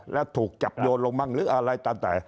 แล้วถูกจับโยนลงมั่งหรืออะไรตามแต่